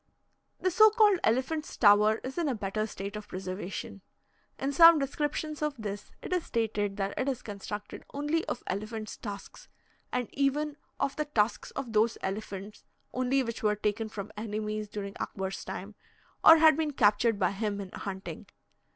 The so called Elephant's Tower is in a better state of preservation. In some descriptions of this, it is stated that it is constructed only of elephants' tusks, and even of the tusks of those elephants only which were taken from enemies during Akbar's time, or had been captured by him in hunting.